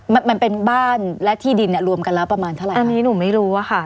มันมันเป็นบ้านและที่ดินเนี่ยรวมกันแล้วประมาณเท่าไหร่อันนี้หนูไม่รู้อะค่ะ